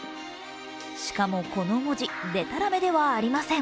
しかも、この文字でたらめではありません。